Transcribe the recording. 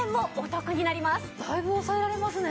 だいぶ抑えられますね。